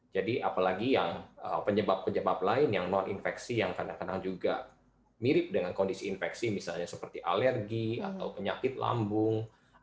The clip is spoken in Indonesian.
apalagi yang penyebab penyebab lain yang non infeksi yang kadang kadang juga mirip dengan kondisi infeksi misalnya seperti alergi atau penyakit lambung